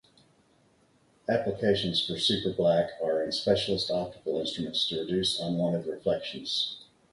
Applications for super black are in specialist optical instruments to reduce unwanted reflections.